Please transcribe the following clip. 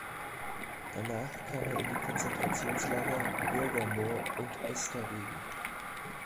Danach kam er in die Konzentrationslager Börgermoor und Esterwegen.